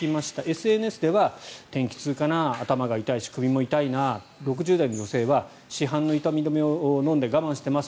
ＳＮＳでは天気痛かな、頭が痛いし首も痛いな６０代の女性は市販の痛み止めを飲んで我慢しています